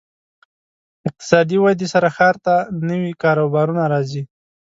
اقتصادي ودې سره ښار ته نوي کاروبارونه راځي.